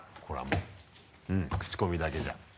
これはもうクチコミだけじゃ。